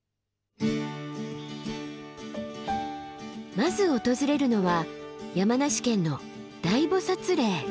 まず訪れるのは山梨県の大菩嶺。